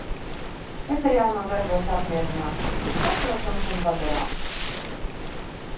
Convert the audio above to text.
Es ar jauno darbu esmu apmierināta, tas ir saprotams un padarāms.